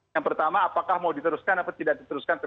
yang pertama apakah mau diteruskan atau tidak diteruskan